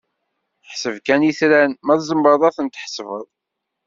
Ḥseb kan itran, ma tzemreḍ ad ten-tḥesbeḍ!